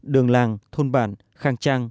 đường làng thôn bản khang trang